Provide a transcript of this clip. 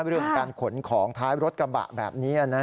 เรื่องการขนของท้ายรถกระบะแบบนี้นะครับ